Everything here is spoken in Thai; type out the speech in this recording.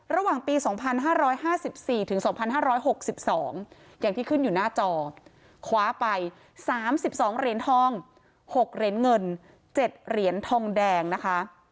ระหว่างปี๒๕๕๔ถึง๒๕๖๒อย่างที่ขึ้นอยู่หน้าจอคว้าไป๓๒เหรียญทอง๖เหรียญเงิน๗เหรียญทองแดงนะคะ